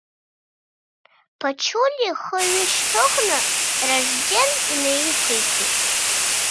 Ԥачулиа ихы ҩышьҭыхны, Ражден инаиқәикит.